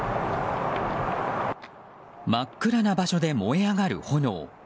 真っ暗な場所で燃え上がる炎。